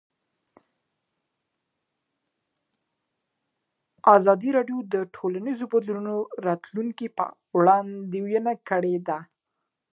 ازادي راډیو د ټولنیز بدلون د راتلونکې په اړه وړاندوینې کړې.